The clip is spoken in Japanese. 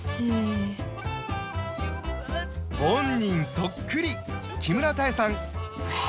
そっくり木村多江さん